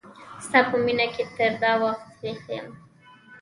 ستا په مینه کی تر دا وخت ویښ یم